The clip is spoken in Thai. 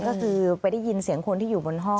ก็คือไปได้ยินเสียงคนที่อยู่บนห้อง